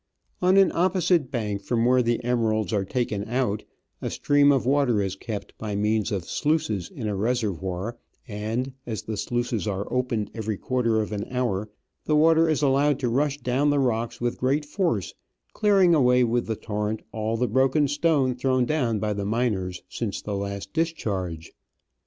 On an opposite bank from where the emeralds are taken out, a stream of water is kept by means of sluices in a reservoir, and, as the sluices are opened every quarter of an hour, the water is allowed to rush down the rocks with great force, clearing away with the torrent all the broken stone thrown down by the miners since the last discharge.